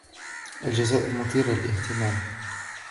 الجزائر مثيرة للاهتمام.